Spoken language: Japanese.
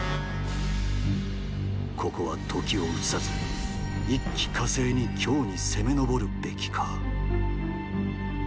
ここは時を移さず一気かせいに京に攻めのぼるべきか。